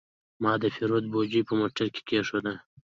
ما د پیرود بوجي په موټر کې کېښوده.